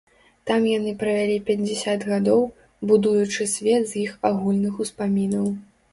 Там яны правялі пяцьдзясят гадоў, будуючы свет з іх агульных успамінаў.